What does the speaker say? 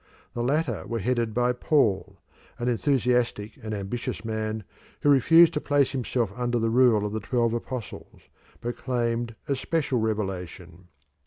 The latter were headed by Paul, an enthusiastic and ambitious man who refused to place himself under the rule of the twelve apostles, but claimed a special revelation.